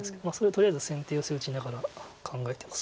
とりあえず先手ヨセ打ちながら考えてます。